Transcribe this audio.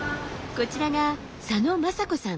こちらが佐野正子さん。